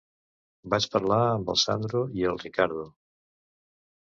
Vaig parlar amb el Sandro i el Riccardo.